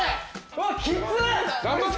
うわっきつっ！